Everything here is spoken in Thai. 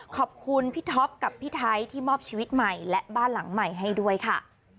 ขอบคุณพี่ท็อปกับพี่ไทยที่มอบชีวิตใหม่และบ้านหลังใหม่ให้ด้วยค่ะ